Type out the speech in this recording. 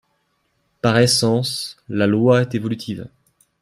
Par essence, la loi est évolutive.